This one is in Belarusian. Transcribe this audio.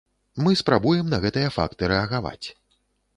Мы спрабуем на гэтыя факты рэагаваць.